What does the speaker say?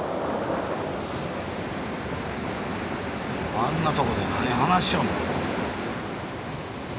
あんなとこで何話しよんね。